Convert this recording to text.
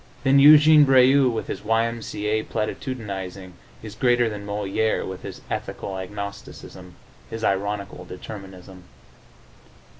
Then Éugene Brieux, with his Y. M. C. A. platitudinizing, is greater than Molière, with his ethical agnosticism, his ironical determinism.